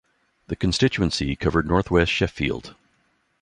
The constituency covered north west Sheffield.